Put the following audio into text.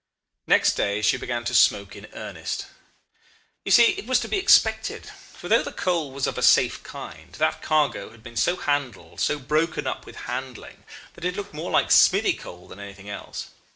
"Next day she began to smoke in earnest. You see it was to be expected, for though the coal was of a safe kind, that cargo had been so handled, so broken up with handling, that it looked more like smithy coal than anything else.